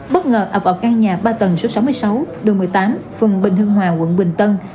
bất ngờ ập vào căn nhà ba tầng số sáu mươi sáu đường một mươi tám phường bình hưng hòa quận bình tân